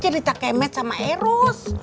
cerita kemet sama eros